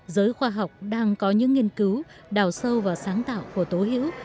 giới khoa học đang có những nghiên cứu đào sâu vào sáng tạo của tố hữu